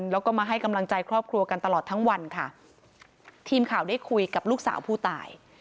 แล้วก็มาให้กำลังใจครอบครัวกันตลอดทั้งวันค่ะทีมข่าวได้คุยกับลูกสาวผู้ตาย